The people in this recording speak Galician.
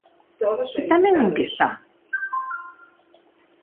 E tamén en que está?